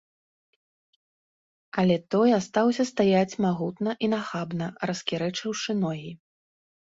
Але той астаўся стаяць магутна і нахабна, раскірэчыўшы ногі.